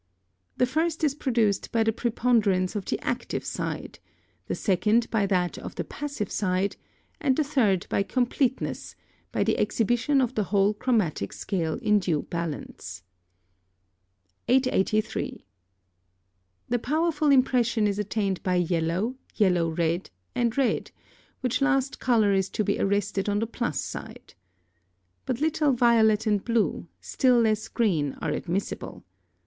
The first is produced by the preponderance of the active side, the second by that of the passive side, and the third by completeness, by the exhibition of the whole chromatic scale in due balance. 883. The powerful impression is attained by yellow, yellow red, and red, which last colour is to be arrested on the plus side. But little violet and blue, still less green, are admissible.